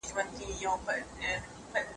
جنګونه یوازي ویرانۍ راولي.